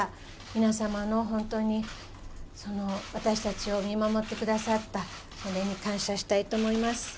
皆様、私たちを見守ってくださったことに感謝したいと思います。